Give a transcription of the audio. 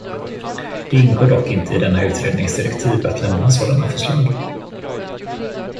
Det ingår dock inte i denna utrednings direktiv att lämna sådana förslag.